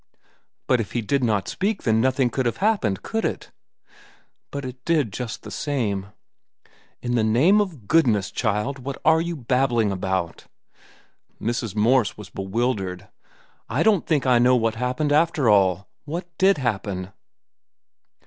"But if he did not speak, then nothing could have happened, could it?" "But it did, just the same." "In the name of goodness, child, what are you babbling about?" Mrs. Morse was bewildered. "I don't think I know what happened, after all. What did happen?"